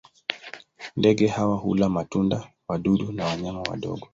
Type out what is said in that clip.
Ndege hawa hula matunda, wadudu na wanyama wadogo.